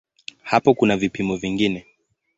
Hapo kuna vipimo vingine.